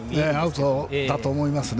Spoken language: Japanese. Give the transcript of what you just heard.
アウトだと思います。